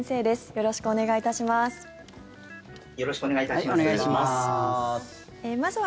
よろしくお願いします。